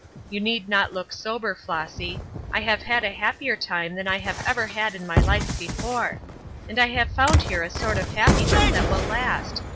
You need not look sober, Flossy. I have had a happier time than I have ever had in my life before; and I have found here a sort of happiness that will last.